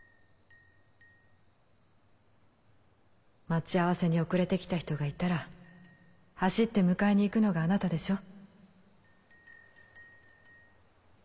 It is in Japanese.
待ち合わせに遅れて来た人がいたら走って迎えに行くのがあなたでしょ？